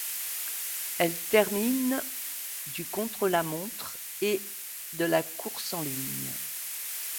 Elle termine du contre-la-montre et de la course en ligne.